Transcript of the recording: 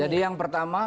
jadi yang pertama